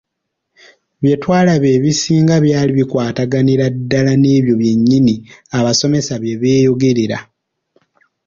Bye twalaba ebisinga byali bikwataganira ddala n’ebyo byennyini abasomesa bye beeyogerera.